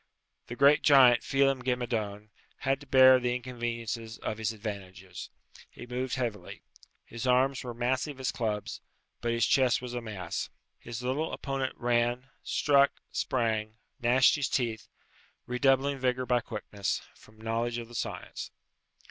The great giant, Phelem ghe Madone, had to bear the inconveniences of his advantages; he moved heavily. His arms were massive as clubs; but his chest was a mass. His little opponent ran, struck, sprang, gnashed his teeth; redoubling vigour by quickness, from knowledge of the science.